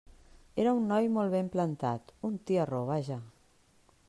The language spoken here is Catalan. Era un noi molt ben plantat, un tiarró, vaja.